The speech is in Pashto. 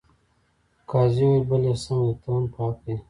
قاضي وویل بلې سمه ده ته هم په حقه یې.